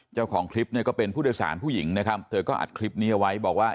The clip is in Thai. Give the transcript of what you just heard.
เจ้าของคลิปเนี่ยก็เป็นผู้โดยสารผู้หญิงนะครับเธอก็อัดคลิปนี้เอาไว้บอกว่า